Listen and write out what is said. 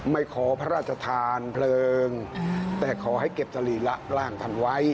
ขอพระราชทานเพลิงแต่ขอให้เก็บสรีระร่างท่านไว้